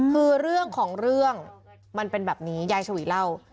คือเรื่องของเรื่องมันเป็นแบบนี้ยายฉวีเล่า